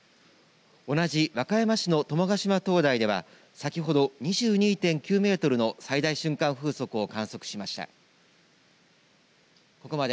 同じ和歌山市の友ヶ島灯台では先ほど２２．９メートルの最大瞬間風速を観測しました。